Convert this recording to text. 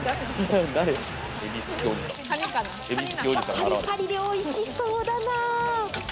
カリカリでおいしそうだな。